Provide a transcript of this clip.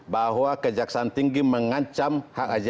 bahwa kejaksaan tinggi mengancam hak asiasi saudaranya